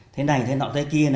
thế này thế nọ thế kia